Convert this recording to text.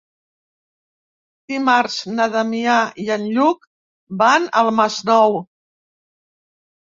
Dimarts na Damià i en Lluc van al Masnou.